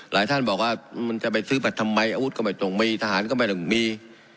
ท่านบอกว่ามันจะไปซื้อบัตรทำไมอาวุธก็ไม่ตรงมีทหารก็ไม่ต้องมี